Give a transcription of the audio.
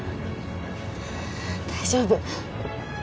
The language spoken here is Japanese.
大丈夫